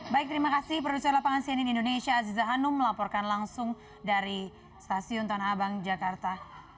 baik terima kasih produser lapangan cnn indonesia aziza hanum melaporkan langsung dari stasiun tanah abang jakarta